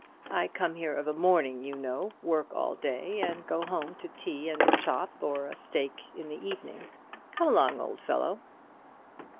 I come here of a morning, you know, work all day, and go home to tea and a chop or a steak in the evening. Come along, old fellow."